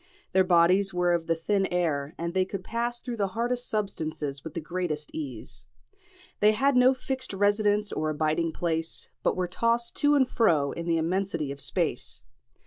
Their bodies were of the thin air, and they could pass through the hardest substances with the greatest ease. They had no fixed residence or abiding place, but were tossed to and fro in the immensity of space.